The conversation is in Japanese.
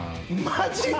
マジで！？